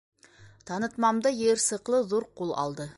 Танытмамды йыйырсыҡлы ҙур ҡул алды.